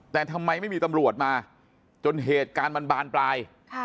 แต่ทำไมไม่มีตำรวจมาจนเหตุการณ์มันบานปลาย